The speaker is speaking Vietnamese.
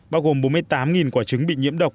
bao gồm bốn mươi tám quả trứng bị nhiễm độc